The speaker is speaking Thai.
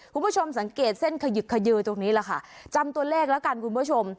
คุณผู้ชมสังเกตเส้นขยึกขยือตรงนี้แหละค่ะจำตัวเลขแล้วกันคุณผู้ชม